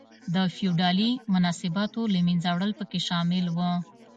د فیوډالي مناسباتو له منځه وړل پکې شامل و.